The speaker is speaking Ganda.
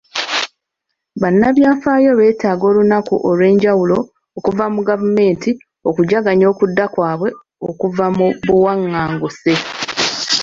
Bannabyafaayo beetaaga olunaku olw'enjawulo okuva mu gavumenti okujaganya okudda kwabwe okuva mu buwanganguse.